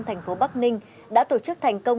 thành phố bắc ninh đã tổ chức thành công